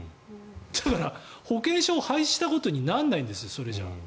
だから、保険証を廃止したことにならないんです、それじゃあ。